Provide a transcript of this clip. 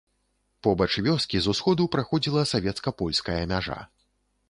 Побач вёскі з усходу праходзіла савецка-польская мяжа.